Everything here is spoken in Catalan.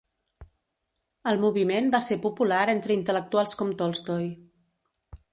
El moviment va ser popular entre intel·lectuals com Tolstoy.